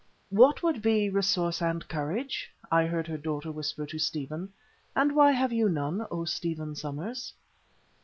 "What be 'resource and courage'?" I heard her daughter whisper to Stephen, "and why have you none, O Stephen Somers?"